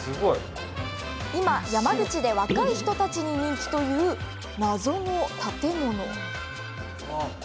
今、山口で若い人たちに人気という謎の建物。